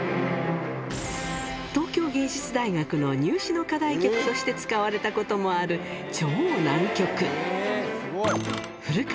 東京藝術大学の入試の課題曲として使われたこともある超難曲。